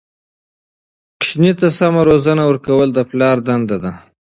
ماسوم ته سمه روزنه ورکول د پلار دنده ده.